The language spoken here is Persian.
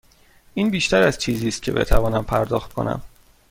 این بیشتر از چیزی است که بتوانم پرداخت کنم.